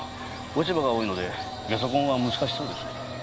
落ち葉が多いのでゲソ痕は難しそうです。